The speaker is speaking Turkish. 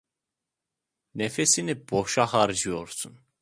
Nefesini boşa harcıyorsun.